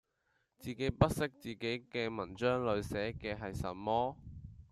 自己不悉自己嘅文章裡寫嘅係什麼